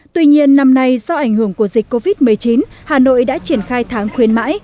tuy nhiên năm nay do ảnh hưởng của dịch covid một mươi chín hà nội đã triển khai tháng khuyến mãi